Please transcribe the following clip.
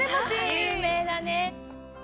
有名なね。